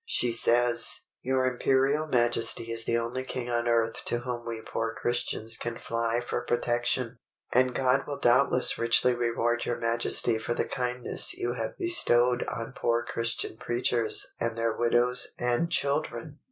She says, "Your Imperial Majesty is the only king on earth to whom we poor Christians can fly for protection, and God will doubtless richly reward your Majesty for the kindness you have bestowed on poor Christian preachers and their widows and children."